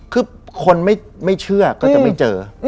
คือคนไม่เชื่อก็จะไม่เจอ